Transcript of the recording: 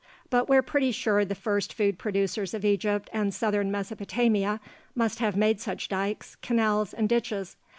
But we're pretty sure the first food producers of Egypt and southern Mesopotamia must have made such dikes, canals, and ditches.